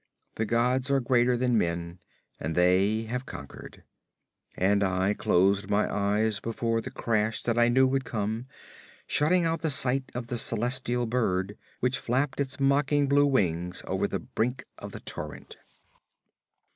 The gods are greater than men, and they have conquered." And I closed my eyes before the crash that I knew would come, shutting out the sight of the celestial bird which flapped its mocking blue wings over the brink of the torrent.